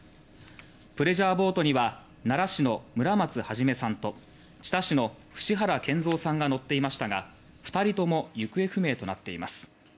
プレジャーボートには奈良市の村松孟さんと知多市の伏原賢三さんが乗っていましたが２人とも行方不明となっています。